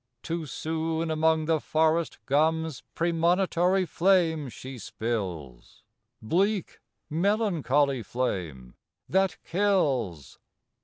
Too soon among the forest gums Premonitory flame she spills, Bleak, melancholy flame that kills.